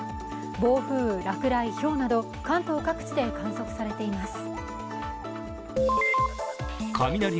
暴風雨、落雷、ひょうなど関東各地で観測されています。